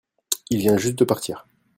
il vient juste de partir.